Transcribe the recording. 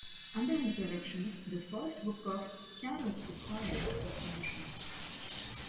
Under his direction, the first book of "Carols for Choirs" was commissioned.